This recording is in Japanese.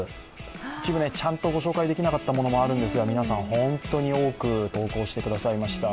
一部ちゃんと御紹介できなかったものもあるんですが、皆さん、ホントに多く投稿してくださいました。